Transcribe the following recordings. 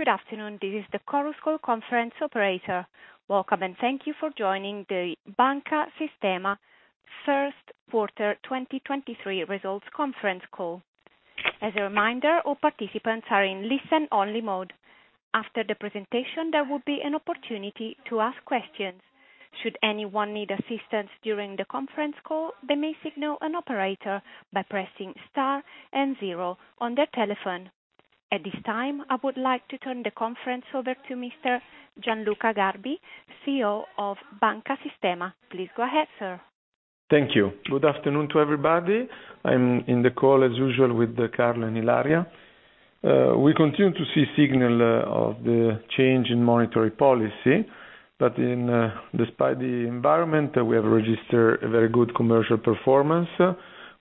Good afternoon. This is the Chorus Call Conference Operator. Welcome, and thank you for joining the Banca Sistema First Quarter 2023 Results Conference Call. As a reminder, all participants are in listen-only mode. After the presentation, there will be an opportunity to ask questions. Should anyone need assistance during the conference call, they may signal an operator by pressing star and 0 on their telephone. At this time, I would like to turn the conference over to Mr. Gianluca Garbi, CEO of Banca Sistema. Please go ahead, sir. Thank you. Good afternoon to everybody. I'm on the call, as usual, with Carlo and Ilaria. We continue to see signs of the change in monetary policy, but despite the environment, we have registered a very good commercial performance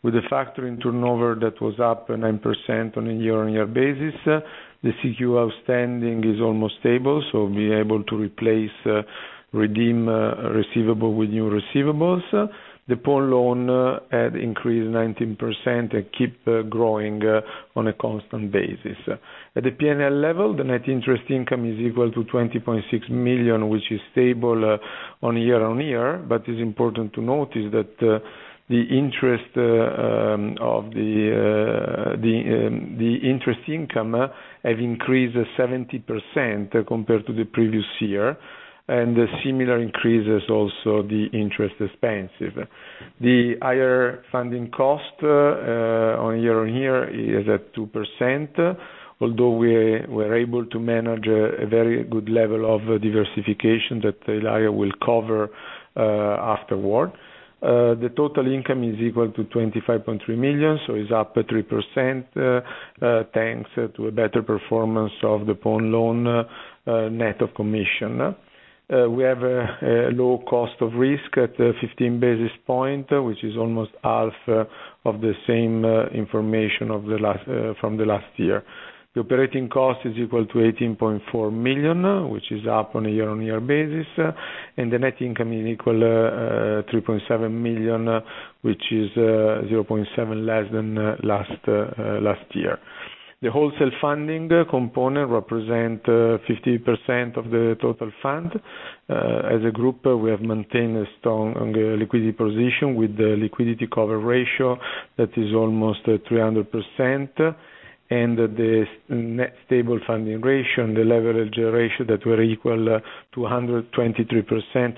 with a factoring turnover that was up 9% on a year-on-year basis. The CQ outstanding is almost stable, so we'll be able to replace redeemed receivables with new receivables. The pawn loan had increased 19% and keeps growing on a constant basis. At the P&L level, the net interest income is equal to 20.6 million, which is stable on year-on-year. But it's important to notice that the interest income have increased 70% compared to the previous year, and similar increases also the interest expense. The higher funding cost, on year-on-year, is at 2%, although we're, we're able to manage a very good level of diversification that Ilaria will cover afterward. The total income is equal to 25.3 million, so it's up 3%, thanks to a better performance of the pawn loan, net of commission. We have a, a low cost of risk at 15 basis points, which is almost half of the same information from the last year. The operating cost is equal to 18.4 million, which is up on a year-on-year basis, and the net income is equal to 3.7 million, which is 0.7 less than last year. The wholesale funding component represents 50% of the total fund. As a group, we have maintained a strong liquidity position with the liquidity coverage ratio that is almost 300% and the NSFR, and the leverage ratio that were equal to 123%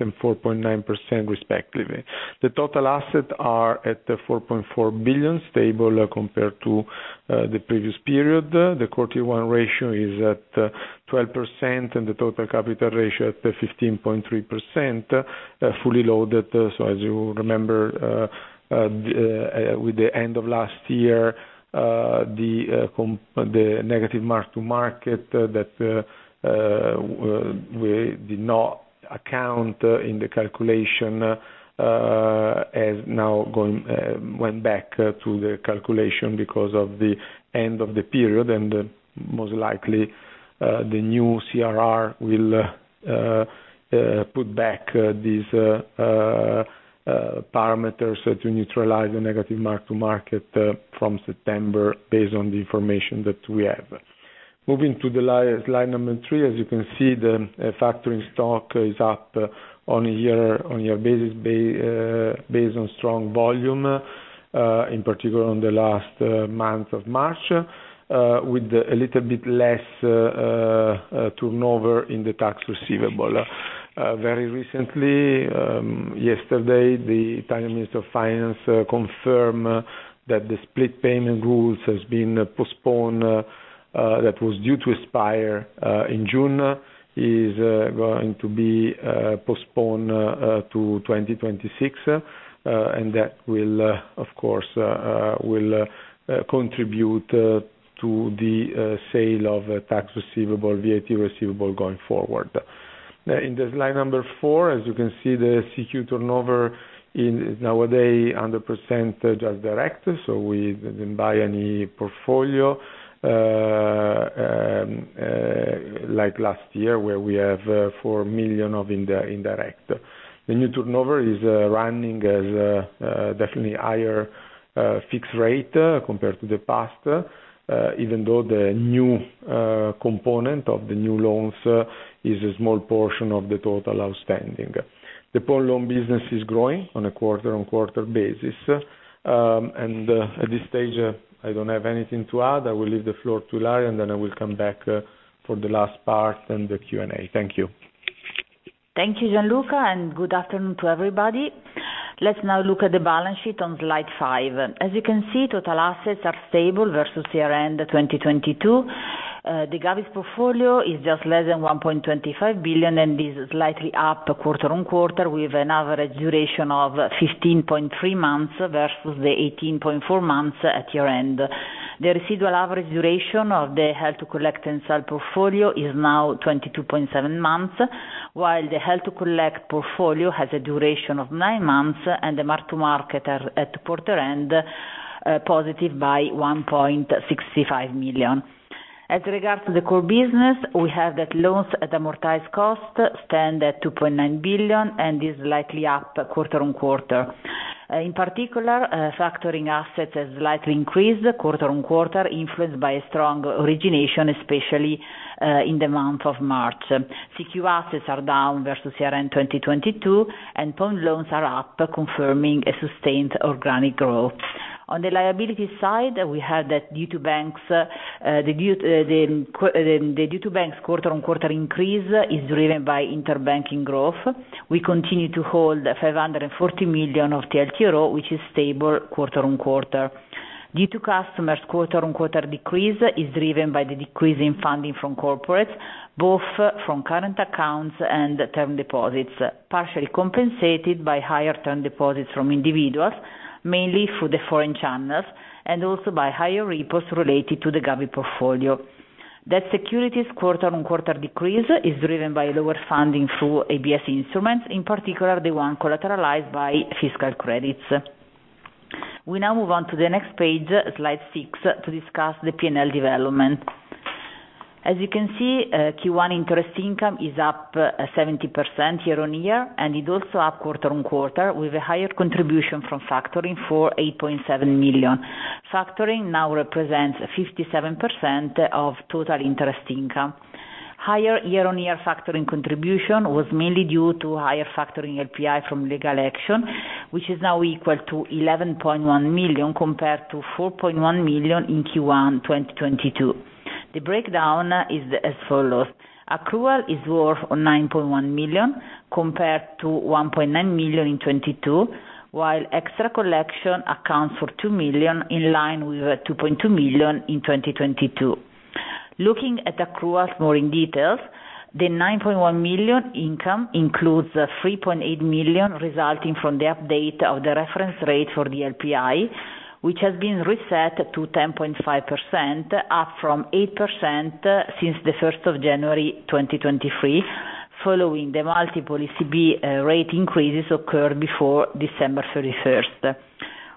and 4.9%, respectively. The total assets are at 4.4 billion, stable compared to the previous period. The Tier 1 ratio is at 12%, and the total capital ratio at 15.3%, fully loaded. So as you remember, with the end of last year, the component the negative mark-to-market that we did not account in the calculation, as now went back to the calculation because of the end of the period. And most likely, the new CRR will put back these parameters to neutralize the negative mark-to-market from September based on the information that we have. Moving to the slide number three, as you can see, the factoring stock is up on a year-on-year basis based on strong volume, in particular on the last month of March, with a little bit less turnover in the tax receivable. Very recently, yesterday, the Italian Minister of Finance confirmed that the split payment rules has been postponed, that was due to expire in June is going to be postponed to 2026, and that will, of course, contribute to the sale of tax receivable, VAT receivable, going forward. In the slide number four, as you can see, the CQ turnover is now at 100%, just direct, so we didn't buy any portfolio, like last year where we have 4 million of indirect. The new turnover is running as a definitely higher fixed rate compared to the past, even though the new component of the new loans is a small portion of the total outstanding. The pawn loan business is growing on a quarter-on-quarter basis. At this stage, I don't have anything to add. I will leave the floor to Ilaria, and then I will come back for the last part and the Q&A. Thank you. Thank you, Gianluca, and good afternoon to everybody. Let's now look at the balance sheet on slide five. As you can see, total assets are stable versus year-end 2022. The Govies portfolio is just less than 1.25 billion, and it is slightly up quarter-on-quarter with an average duration of 15.3 months versus the 18.4 months at year-end. The residual average duration of the held-to-collect and sell portfolio is now 22.7 months, while the held-to-collect portfolio has a duration of 9 months and the mark-to-market are at quarter-end, positive by 1.65 million. As regards to the core business, we have that loans at amortized cost stand at 2.9 billion, and it is slightly up quarter-on-quarter. In particular, factoring assets have slightly increased quarter-on-quarter influenced by a strong origination, especially, in the month of March. CQ assets are down versus year-end 2022, and pawn loans are up, confirming a sustained organic growth. On the liability side, we have that due to banks quarter-on-quarter increase is driven by interbank growth. We continue to hold 540 million of TLTRO, which is stable quarter-on-quarter. Due to customers quarter-on-quarter decrease is driven by the decrease in funding from corporates, both from current accounts and term deposits, partially compensated by higher term deposits from individuals, mainly through the foreign channels, and also by higher repos related to the Govies portfolio. Debt securities quarter-on-quarter decrease is driven by lower funding through ABS instruments, in particular the one collateralized by fiscal credits. We now move on to the next page, slide 6, to discuss the P&L development. As you can see, Q1 interest income is up 70% year-on-year, and it's also up quarter-on-quarter with a higher contribution from factoring for 8.7 million. Factoring now represents 57% of total interest income. Higher year-on-year factoring contribution was mainly due to higher factoring LPI from legal action, which is now equal to 11.1 million compared to 4.1 million in Q1 2022. The breakdown is as follows. Accrual is worth 9.1 million compared to 1.9 million in 2022, while extra collection accounts for 2 million in line with 2.2 million in 2022. Looking at accruals more in detail, the 9.1 million income includes 3.8 million resulting from the update of the reference rate for the LPI, which has been reset to 10.5%, up from 8% since the 1st of January 2023, following the multiple ECB rate increases occurred before December 31st.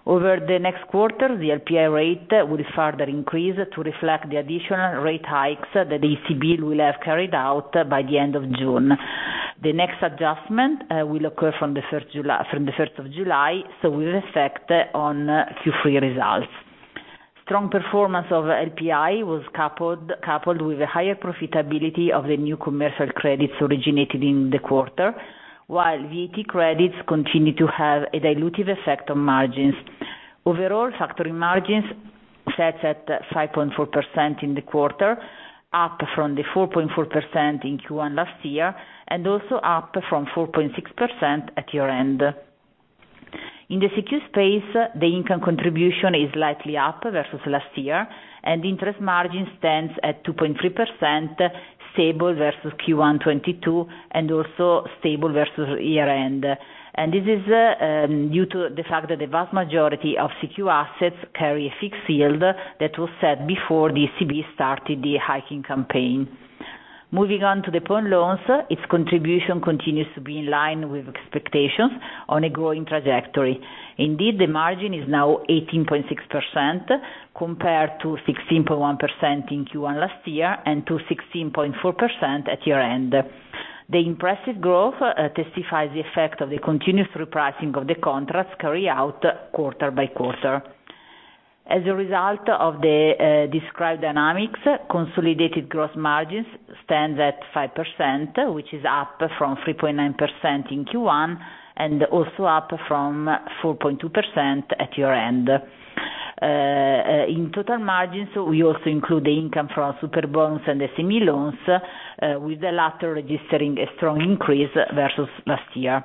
Over the next quarter, the LPI rate will further increase to reflect the additional rate hikes that the ECB will have carried out by the end of June. The next adjustment will occur from the 1st of July, so with effect on Q3 results. Strong performance of LPI was coupled with a higher profitability of the new commercial credits originated in the quarter, while VAT credits continue to have a dilutive effect on margins. Overall, factoring margins sets at 5.4% in the quarter, up from the 4.4% in Q1 last year and also up from 4.6% at year-end. In the CQ space, the income contribution is slightly up versus last year, and interest margin stands at 2.3%, stable versus Q1 2022 and also stable versus year-end. And this is due to the fact that the vast majority of CQ assets carry a fixed yield that was set before the ECB started the hiking campaign. Moving on to the pawn loans, its contribution continues to be in line with expectations on a growing trajectory. Indeed, the margin is now 18.6% compared to 16.1% in Q1 last year and to 16.4% at year-end. The impressive growth testifies the effect of the continuous repricing of the contracts carried out quarter by quarter. As a result of the described dynamics, consolidated gross margins stand at 5%, which is up from 3.9% in Q1 and also up from 4.2% at year-end. In total margins, we also include the income from Superbonus and SME loans, with the latter registering a strong increase versus last year.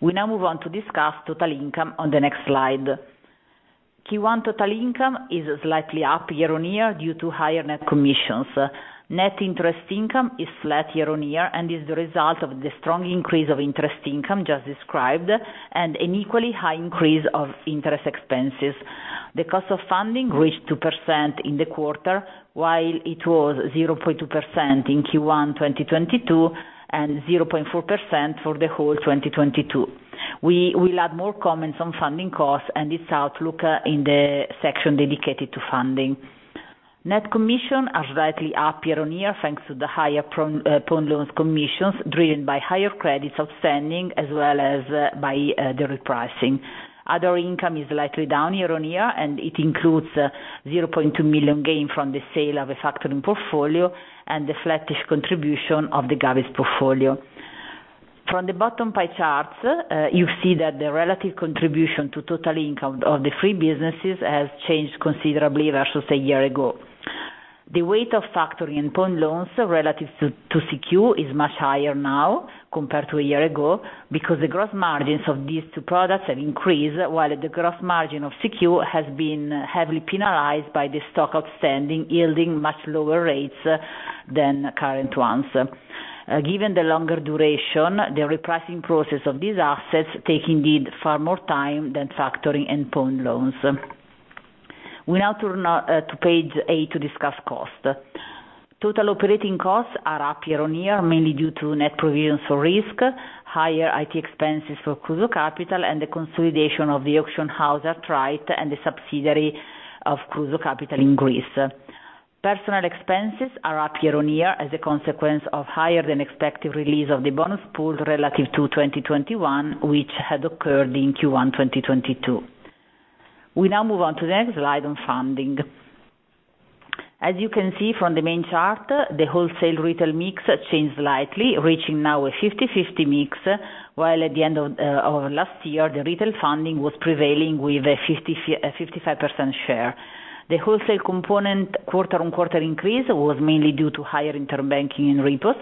We now move on to discuss total income on the next slide. Q1 total income is slightly up year-on-year due to higher net commissions. Net interest income is flat year-on-year and is the result of the strong increase of interest income just described and an equally high increase of interest expenses. The cost of funding reached 2% in the quarter, while it was 0.2% in Q1 2022 and 0.4% for the whole 2022. We will add more comments on funding costs and its outlook, in the section dedicated to funding. Net commissions are slightly up year-on-year thanks to the higher pawn loans commissions driven by higher credits outstanding as well as by the repricing. Other income is slightly down year-on-year, and it includes 0.2 million gain from the sale of a factoring portfolio and the flat contribution of the govies portfolio. From the bottom pie charts, you see that the relative contribution to total income of the three businesses has changed considerably versus a year ago. The weight of factoring and pawn loans relative to CQ is much higher now compared to a year ago because the gross margins of these two products have increased, while the gross margin of CQ has been heavily penalized by the stock outstanding yielding much lower rates than current ones. Given the longer duration, the repricing process of these assets takes indeed far more time than factoring and pawn loans. We now turn to page eight to discuss cost. Total operating costs are up year-on-year mainly due to net provisions for risk, higher IT expenses for Kruso Kapital, and the consolidation of the auction house Art-Rite and the subsidiary of Kruso Kapital in Greece. Personal expenses are up year-on-year as a consequence of higher than expected release of the bonus pool relative to 2021, which had occurred in Q1 2022. We now move on to the next slide on funding. As you can see from the main chart, the wholesale retail mix changed slightly, reaching now a 50/50 mix, while at the end of, of last year, the retail funding was prevailing with a 55% share. The wholesale component quarter-on-quarter increase was mainly due to higher interbanking and repos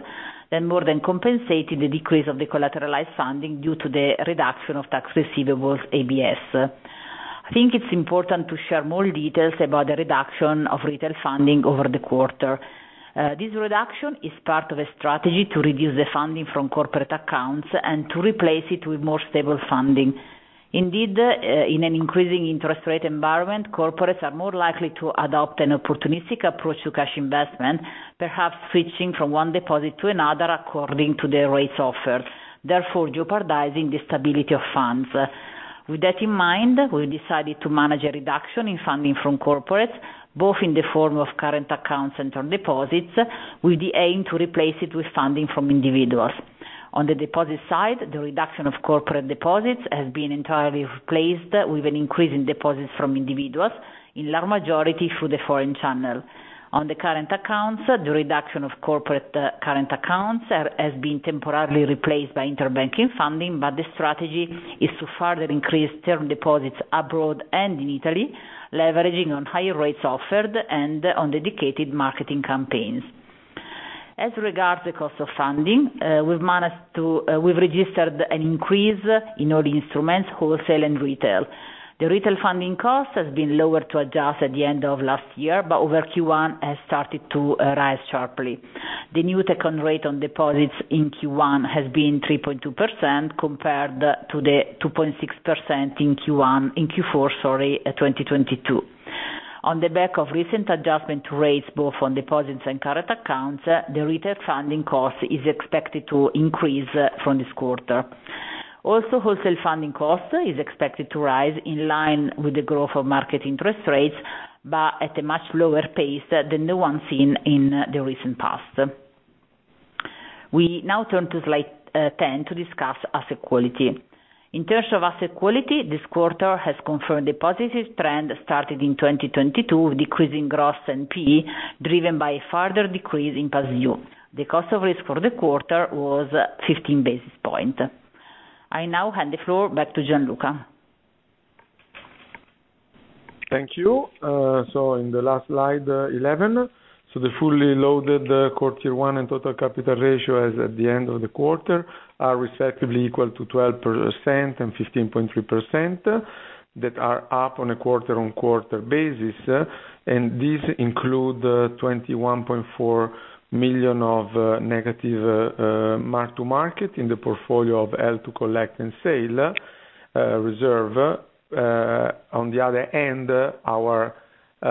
and more than compensated the decrease of the collateralized funding due to the reduction of tax receivables ABS. I think it's important to share more details about the reduction of retail funding over the quarter. This reduction is part of a strategy to reduce the funding from corporate accounts and to replace it with more stable funding. Indeed, in an increasing interest rate environment, corporates are more likely to adopt an opportunistic approach to cash investment, perhaps switching from one deposit to another according to the rates offered, therefore jeopardizing the stability of funds. With that in mind, we decided to manage a reduction in funding from corporates, both in the form of current accounts and term deposits, with the aim to replace it with funding from individuals. On the deposit side, the reduction of corporate deposits has been entirely replaced with an increase in deposits from individuals, in large majority through the foreign channel. On the current accounts, the reduction of corporate current accounts has been temporarily replaced by interbank funding, but the strategy is to further increase term deposits abroad and in Italy, leveraging on higher rates offered and on dedicated marketing campaigns. As regards to the cost of funding, we've registered an increase in all instruments, wholesale and retail. The retail funding cost has been lower to adjust at the end of last year, but over Q1 has started to rise sharply. The new take-home rate on deposits in Q1 has been 3.2% compared to the 2.6% in Q1 in Q4, sorry, 2022. On the back of recent adjustment to rates, both on deposits and current accounts, the retail funding cost is expected to increase from this quarter. Also, wholesale funding cost is expected to rise in line with the growth of market interest rates, but at a much lower pace than the one seen in the recent past. We now turn to slide 10 to discuss asset quality. In terms of asset quality, this quarter has confirmed a positive trend started in 2022 with decreasing gross NP driven by a further decrease in past due. The cost of risk for the quarter was 15 basis points. I now hand the floor back to Gianluca. Thank you. So in the last slide, 11, so the fully loaded, Tier 1 and total capital ratio as at the end of the quarter are respectively equal to 12% and 15.3% that are up on a quarter-on-quarter basis. And these include 21.4 million of negative mark-to-market in the portfolio of held-to-collect and sale reserve. On the other end,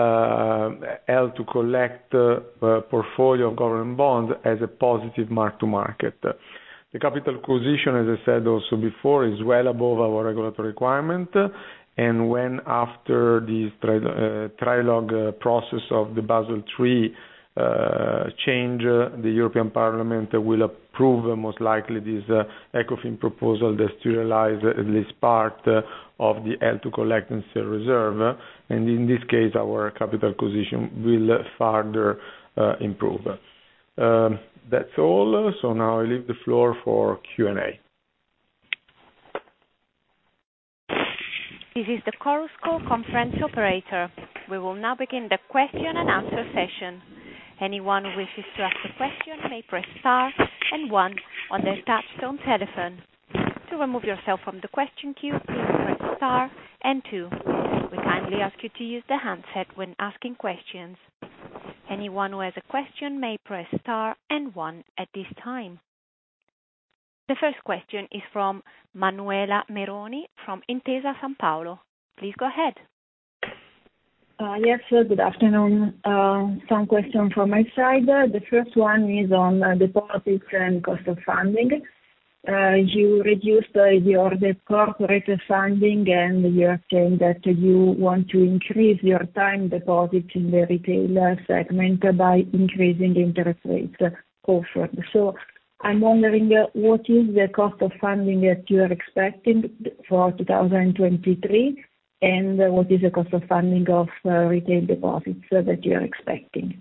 our held-to-collect portfolio of government bonds has a positive mark-to-market. The capital adequacy, as I said also before, is well above our regulatory requirement. And when after this trilogue process of the Basel III change, the European Parliament will approve most likely this Ecofin proposal that neutralizes at least part of the held-to-collect and sale reserve. And in this case, our capital adequacy will further improve. That's all. So now I leave the floor for Q&A. This is the Chorus Call conference operator. We will now begin the question and answer session. Anyone who wishes to ask a question may press star and one on their touch-tone telephone. To remove yourself from the question queue, please press star and two. We kindly ask you to use the handset when asking questions. Anyone who has a question may press star and one at this time. The first question is from Manuela Meroni from Intesa Sanpaolo. Please go ahead. Yes, good afternoon. Some question from my side. The first one is on deposits and cost of funding. You reduced your corporate funding, and you have claimed that you want to increase your time deposit in the retail segment by increasing interest rates offered. So I'm wondering, what is the cost of funding that you are expecting for 2023, and what is the cost of funding of retail deposits that you are expecting?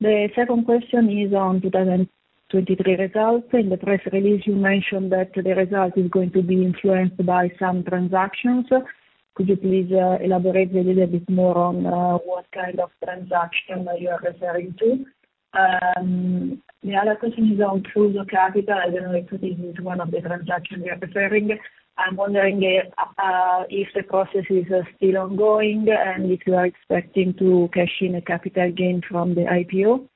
The second question is on 2023 results. In the press release, you mentioned that the result is going to be influenced by some transactions. Could you please elaborate a little bit more on what kind of transaction you are referring to? The other question is on Kruso Kapital. I don't know if this is one of the transactions you're referring. I'm wondering if the process is still ongoing and if you are expecting to cash in a capital gain from the IPO?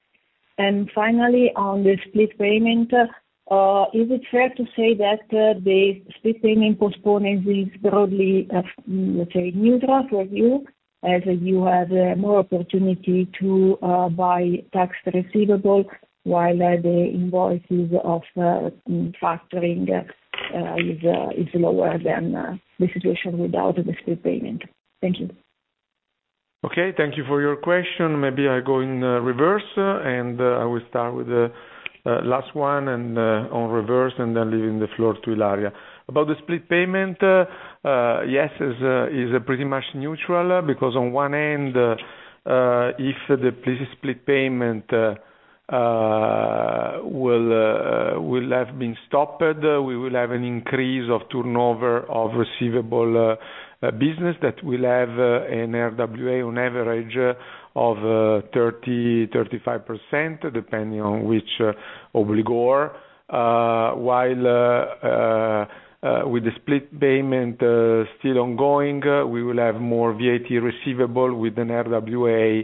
And finally, on the split payment, is it fair to say that the split payment postponement is broadly, let's say, neutral for you as you have more opportunity to buy tax receivable while the invoices of factoring is lower than the situation without the split payment? Thank you. Okay. Thank you for your question. Maybe I go in reverse, and I will start with the last one and on reverse and then leaving the floor to Ilaria. About the split payment, yes, it's pretty much neutral because on one end, if the split payment will have been stopped, we will have an increase of turnover of receivables business that will have an RWA on average of 30%-35% depending on which obligor. While with the split payment still ongoing, we will have more VAT receivables with an RWA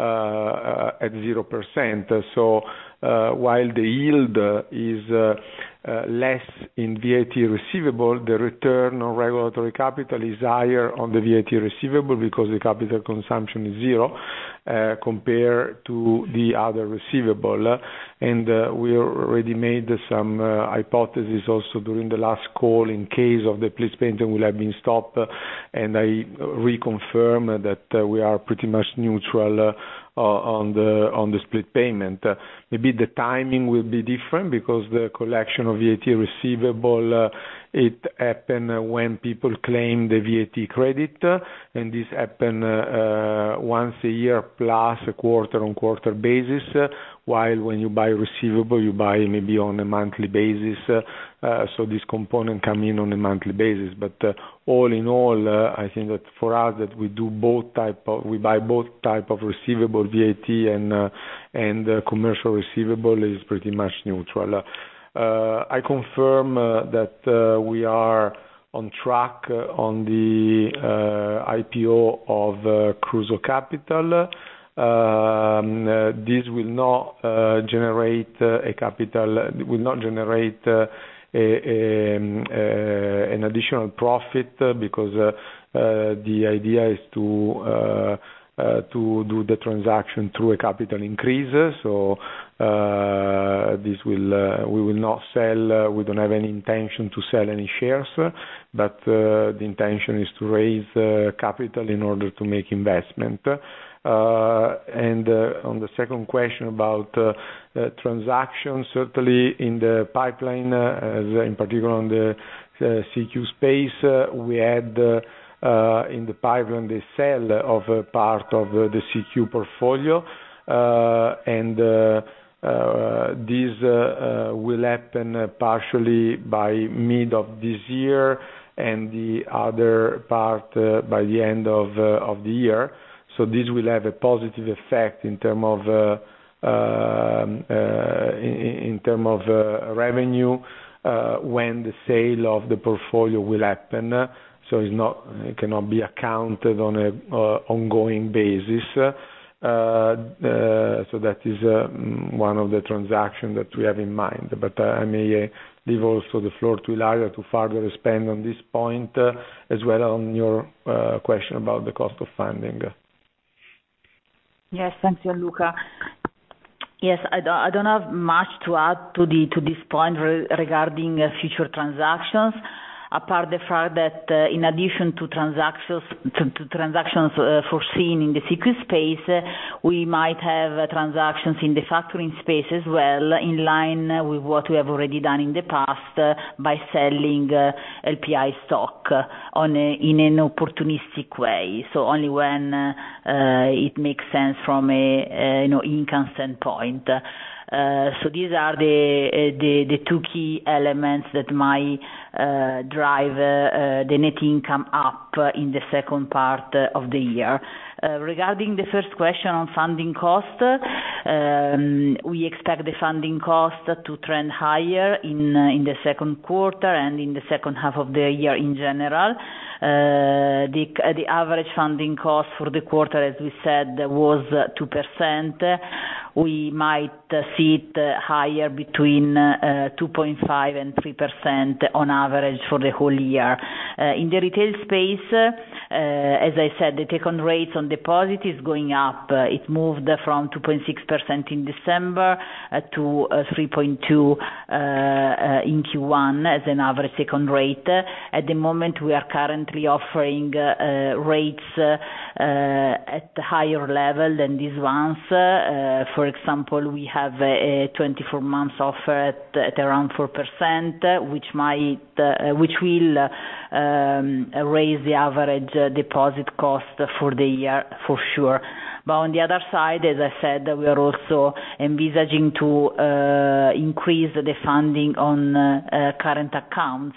at 0%. So while the yield is less in VAT receivables, the return on regulatory capital is higher on the VAT receivables because the capital consumption is zero compared to the other receivables. And we already made some hypotheses also during the last call in case of the split payment will have been stopped. I reconfirm that we are pretty much neutral on the split payment. Maybe the timing will be different because the collection of VAT receivable it happened when people claimed the VAT credit. And this happened once a year plus a quarter-on-quarter basis, while when you buy receivable you buy maybe on a monthly basis. So this component comes in on a monthly basis. But all in all, I think that for us that we do both type of we buy both type of receivable, VAT and commercial receivable is pretty much neutral. I confirm that we are on track on the IPO of Kruso Kapital. This will not generate capital; it will not generate an additional profit because the idea is to do the transaction through a capital increase. So, we will not sell. We don't have any intention to sell any shares, but the intention is to raise capital in order to make investment. On the second question about transactions, certainly in the pipeline, as in particular on the CQ space, we had in the pipeline the sale of a part of the CQ portfolio. This will happen partially by mid of this year and the other part by the end of the year. So this will have a positive effect in terms of revenue when the sale of the portfolio will happen. So it's not. It cannot be accounted on an ongoing basis. That is one of the transactions that we have in mind. But I may leave also the floor to Ilaria to further expand on this point as well on your question about the cost of funding. Yes. Thanks, Gianluca. Yes. I don't have much to add to this point regarding future transactions apart from the fact that, in addition to transactions foreseen in the CQ space, we might have transactions in the factoring space as well in line with what we have already done in the past by selling LPI stock in an opportunistic way. So only when it makes sense from a, you know, income standpoint. So these are the two key elements that might drive the net income up in the second part of the year. Regarding the first question on funding cost, we expect the funding cost to trend higher in the second quarter and in the second half of the year in general. The average funding cost for the quarter, as we said, was 2%. We might see it higher between 2.5%-3% on average for the whole year. In the retail space, as I said, the take-home rates on deposit is going up. It moved from 2.6% in December to 3.2% in Q1 as an average take-home rate. At the moment, we are currently offering rates at a higher level than these ones. For example, we have a 24-month offer at around 4%, which might, which will, raise the average deposit cost for the year for sure. But on the other side, as I said, we are also envisaging to increase the funding on current accounts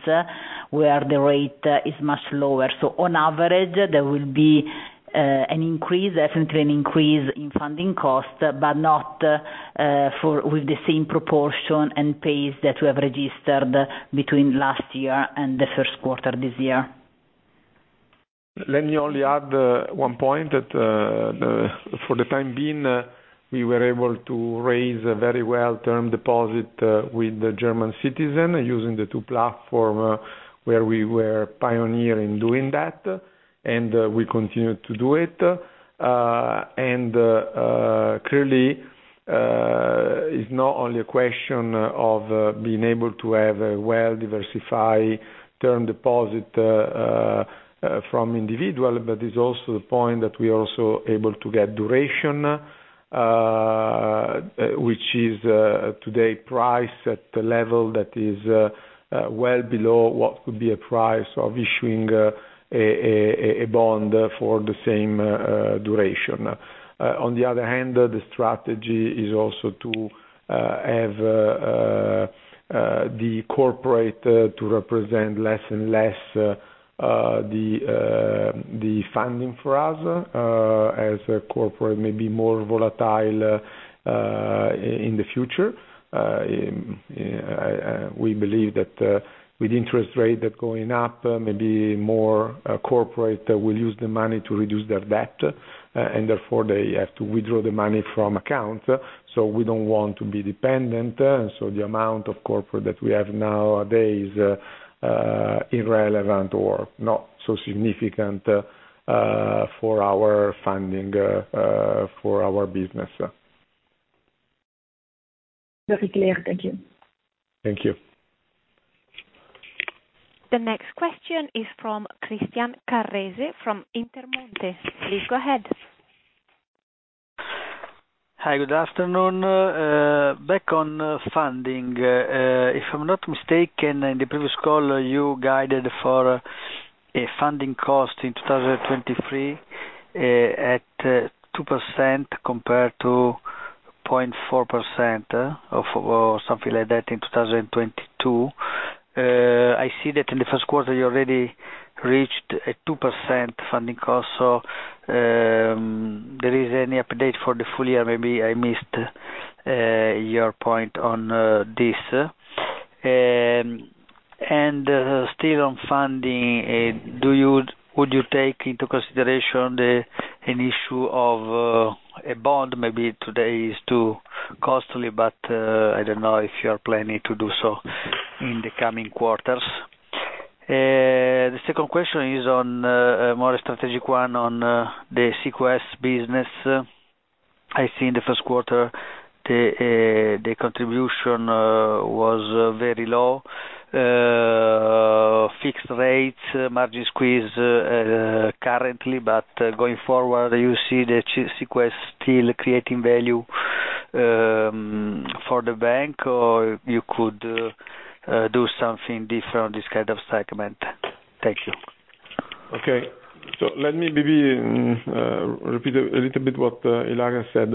where the rate is much lower. So on average, there will be an increase definitely an increase in funding cost, but not for with the same proportion and pace that we have registered between last year and the first quarter this year. Let me only add one point that for the time being, we were able to raise a very long-term deposit with the German citizens using the two platforms, where we were pioneering doing that. And we continue to do it. And clearly, it's not only a question of being able to have a well-diversified term deposit from individuals, but it's also the point that we are also able to get duration, which is today priced at a level that is well below what could be a price of issuing a bond for the same duration. On the other hand, the strategy is also to have the corporate represent less and less the funding for us, as a corporate may be more volatile in the future. We believe that, with interest rate that going up, maybe more, corporate will use the money to reduce their debt, and therefore they have to withdraw the money from accounts. So we don't want to be dependent. And so the amount of corporate that we have nowadays is irrelevant or not so significant for our funding, for our business. Very clear. Thank you. Thank you. The next question is from Christian Carrese from Intermonte. Please go ahead. Hi. Good afternoon. Back on funding. If I'm not mistaken, in the previous call, you guided for a funding cost in 2023 at 2% compared to 0.4% or something like that in 2022. I see that in the first quarter, you already reached a 2% funding cost. So, there is any update for the full year? Maybe I missed your point on this. And still on funding, would you take into consideration an issue of a bond? Maybe today is too costly, but I don't know if you are planning to do so in the coming quarters. The second question is on a more strategic one on the CQS business. I see in the first quarter, the contribution was very low. fixed rates, margin squeeze, currently, but going forward, do you see the C-CQS still creating value, for the bank, or you could, do something different on this kind of segment? Thank you. Okay. So let me maybe repeat a little bit what Ilaria said.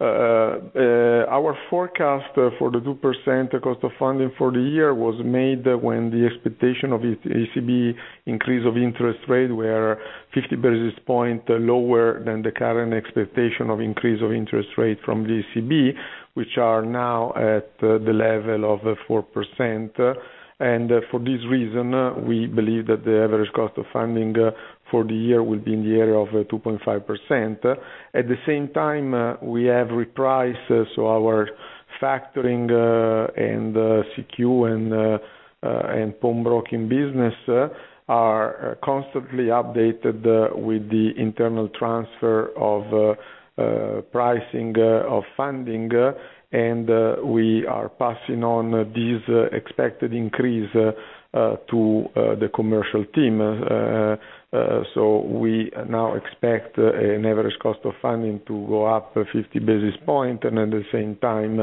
Our forecast for the 2% cost of funding for the year was made when the expectation of ECB increase of interest rate were 50 basis point lower than the current expectation of increase of interest rate from the ECB, which are now at the level of 4%. And for this reason, we believe that the average cost of funding for the year will be in the area of 2.5%. At the same time, we have repriced, so our factoring and CQ and pawn broking business are constantly updated with the internal transfer pricing of funding. And we are passing on this expected increase to the commercial team. So we now expect an average cost of funding to go up 50 basis point. At the same time,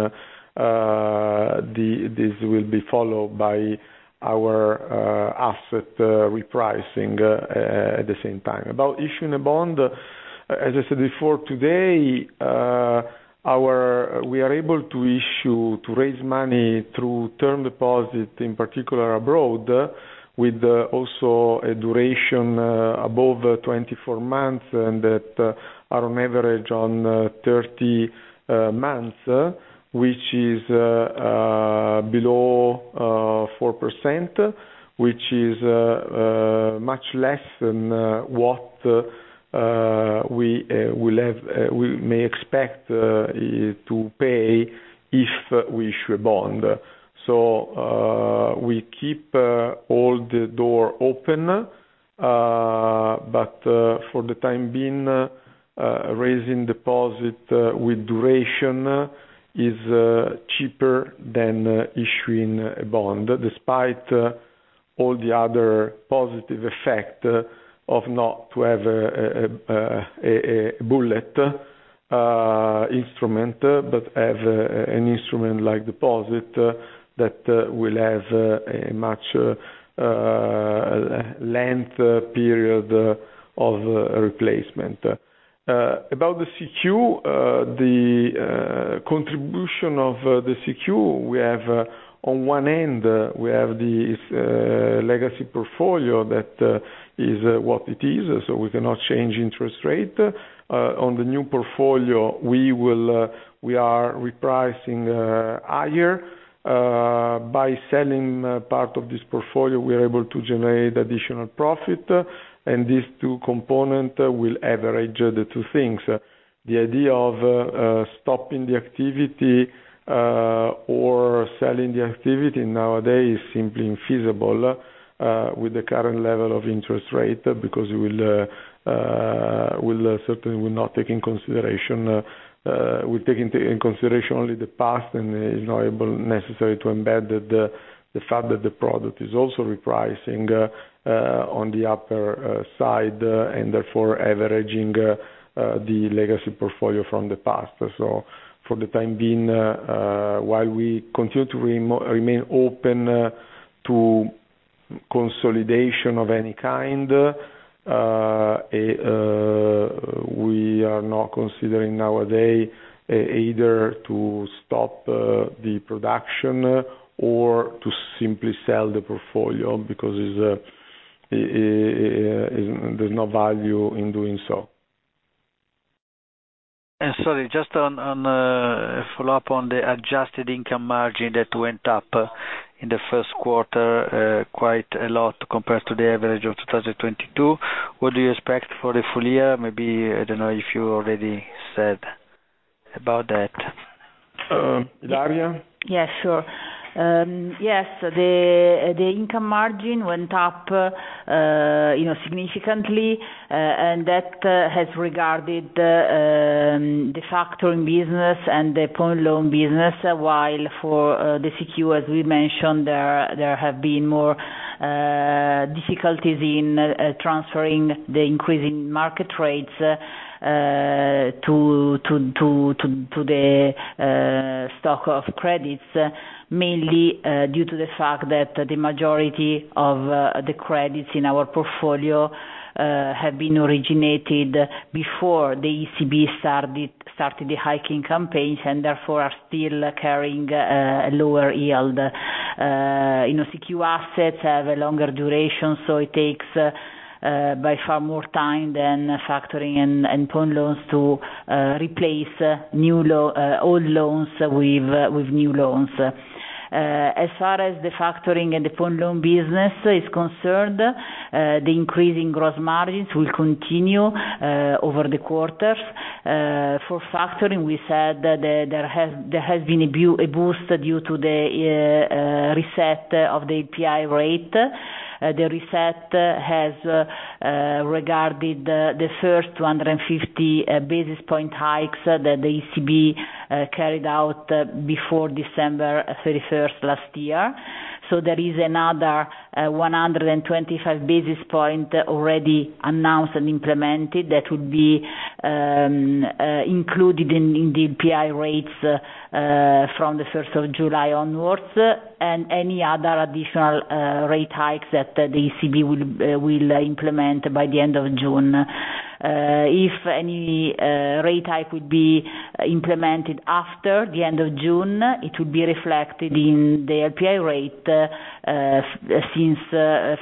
this will be followed by our asset repricing at the same time. About issuing a bond, as I said before, today we are able to raise money through term deposits, in particular abroad, with also a duration above 24 months and that are on average on 30 months, which is below 4%, which is much less than what we may expect to pay if we issue a bond. We keep all the doors open, but for the time being, raising deposits with duration is cheaper than issuing a bond despite all the other positive effects of not having a bullet instrument but having an instrument like deposits that will have a much longer period of replacement. About the CQ, the contribution of the CQ, we have on one end, we have the legacy portfolio that is what it is. So we cannot change interest rate. On the new portfolio, we are repricing higher. By selling part of this portfolio, we are able to generate additional profit. And these two component will average the two things. The idea of stopping the activity or selling the activity nowadays is simply infeasible with the current level of interest rate because it will certainly not take into consideration only the past and is not able necessary to embed the fact that the product is also repricing on the upper side and therefore averaging the legacy portfolio from the past. So for the time being, while we continue to remain open to consolidation of any kind, we are not considering nowadays either to stop the production or to simply sell the portfolio because it's, there's no value in doing so. Sorry, just on a follow-up on the adjusted income margin that went up in the first quarter, quite a lot compared to the average of 2022. What do you expect for the full year? Maybe I don't know if you already said about that. Ilaria? Yes. Sure. Yes. The income margin went up, you know, significantly. And that has regarded the factoring business and the pawn loan business. While for the CQ, as we mentioned, there have been more difficulties in transferring the increasing market rates to the stock of credits mainly due to the fact that the majority of the credits in our portfolio have been originated before the ECB started the hiking campaigns and therefore are still carrying a lower yield. You know, CQ assets have a longer duration. So it takes by far more time than factoring and pawn loans to replace old loans with new loans. As far as the factoring and the pawn loan business is concerned, the increasing gross margins will continue over the quarters. For factoring, we said that there has been a boost due to the reset of the LPI rate. The reset has regarded the first 250 basis point hikes that the ECB carried out before December 31st last year. So there is another 125 basis point already announced and implemented that will be included in the LPI rates from the 1st of July onwards and any other additional rate hikes that the ECB will implement by the end of June. If any rate hike would be implemented after the end of June, it will be reflected in the LPI rate since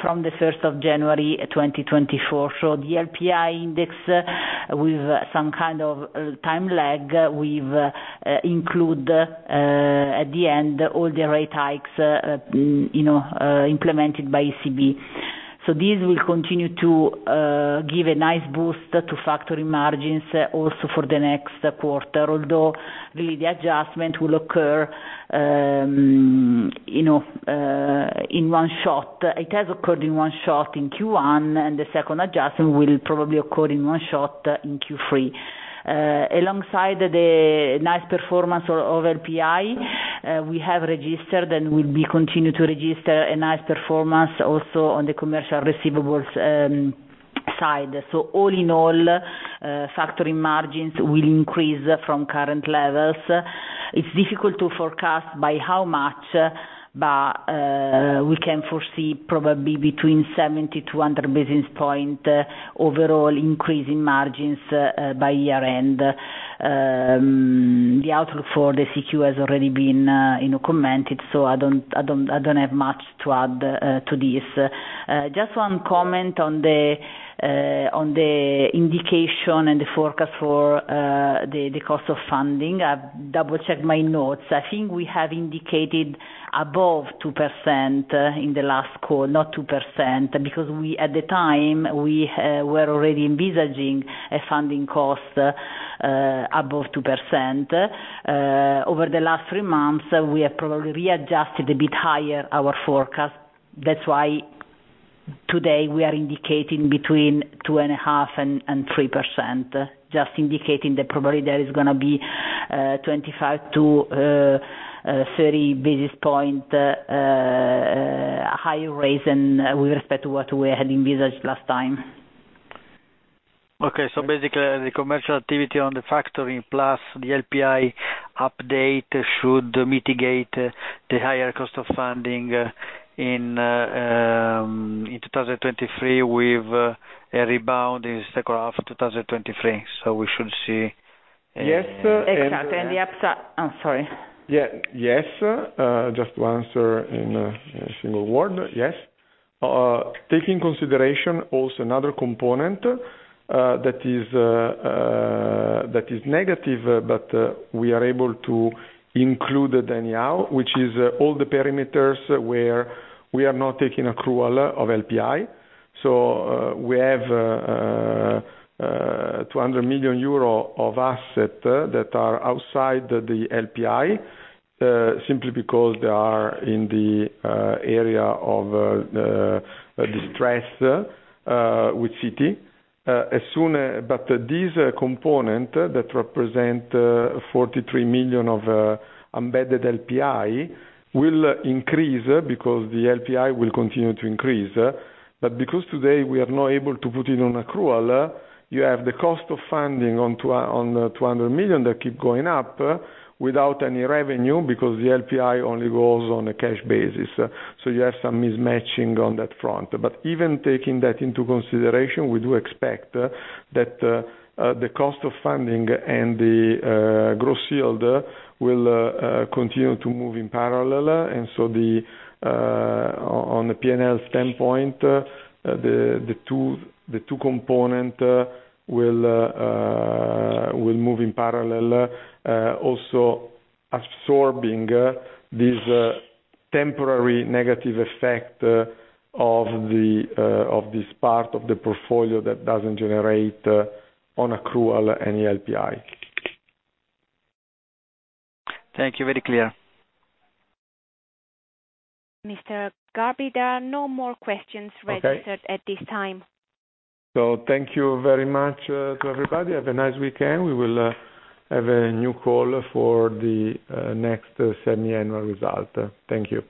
from the 1st of January 2024. So the LPI index, with some kind of time lag, we've included at the end all the rate hikes, you know, implemented by ECB. So these will continue to give a nice boost to factoring margins also for the next quarter, although really the adjustment will occur, you know, in one shot. It has occurred in one shot in Q1. And the second adjustment will probably occur in one shot in Q3. Alongside the nice performance of LPI, we have registered and will continue to register a nice performance also on the commercial receivables side. So all in all, factoring margins will increase from current levels. It's difficult to forecast by how much, but we can foresee probably between 70-100 basis points overall increase in margins by year-end. The outlook for the CQ has already been, you know, commented. So I don't have much to add to this. Just one comment on the indication and the forecast for the cost of funding. I've double-checked my notes. I think we have indicated above 2% in the last call, not 2%, because we at the time were already envisaging a funding cost above 2%. Over the last three months, we have probably readjusted a bit higher our forecast. That's why today, we are indicating between 2.5% and 3%, just indicating that probably there is gonna be 25 to 30 basis points higher rates than with respect to what we had envisaged last time. Okay. So basically, the commercial activity on the factoring plus the LPI update should mitigate the higher cost of funding in 2023 with a rebound in the second half of 2023. So we should see, Yes. Exactly. And the upside, I'm sorry. Yeah. Yes. Just to answer in a single word. Yes. Taking into consideration also another component, that is, that is negative, but we are able to include it anyhow, which is all the parameters where we are not taking an accrual look of LPI. So we have 200 million euro of assets that are outside the LPI, simply because they are in the area of distress with cities. And this component that represents 43 million of embedded LPI will increase because the LPI will continue to increase. But because today we are not able to put it on an accrual, you have the cost of funding on 200 million that keeps going up without any revenue because the LPI only goes on a cash basis. So you have some mismatching on that front. But even taking that into consideration, we do expect that the cost of funding and the gross yield will continue to move in parallel. And so on a P&L standpoint, the two components will move in parallel, also absorbing this temporary negative effect of this part of the portfolio that doesn't generate on accrual any LPI. Thank you. Very clear. Mr. Garbi, there are no more questions registered. Okay. At this time. Thank you very much to everybody. Have a nice weekend. We will have a new call for the next semiannual result. Thank you.